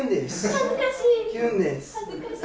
恥ずかしい。